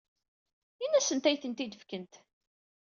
Ini-asent ad iyi-tent-id-fkent.